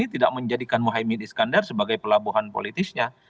tidak menjadikan mohaimin iskandar sebagai pelabuhan politisnya